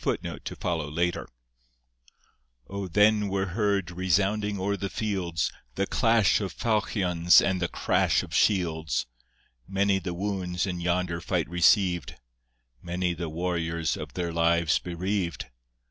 {25a} O then were heard resounding o'er the fields The clash of faulchions and the crash of shields! Many the wounds in yonder fight receiv'd! Many the warriors of their lives bereaved!